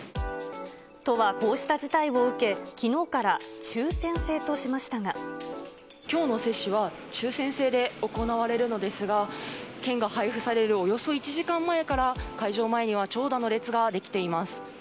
都はこうした事態を受け、きょうの接種は抽せん制で行われるのですが、券が配布されるおよそ１時間前から、会場前には長蛇の列が出来ています。